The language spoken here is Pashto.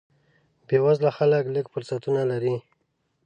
بې وزله خلک لږ فرصتونه لري.